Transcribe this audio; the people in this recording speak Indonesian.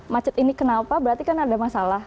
macet ini kenapa berarti kan ada masalah